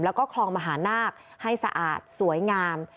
แล้วก็คลองมหานาคให้สะอาดสวยงาม